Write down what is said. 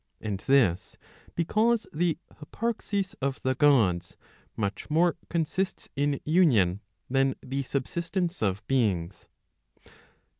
And this, because the hyparxis of the Gods much more consists in union than the subsistence of beings.